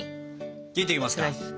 切っていきますか。